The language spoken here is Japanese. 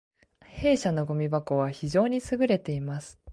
弊社のごみ箱は非常に優れています